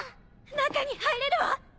中に入れるわ！